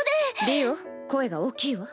りお声が大きいわ。